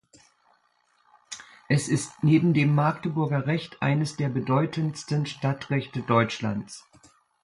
Es ist neben dem Magdeburger Recht eines der bedeutendsten Stadtrechte Deutschlands.